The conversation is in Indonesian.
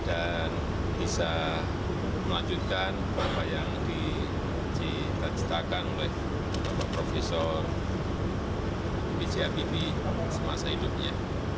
dan bisa melanjutkan beberapa yang dicitakan oleh bapak profesor b j habibie semasa hidupnya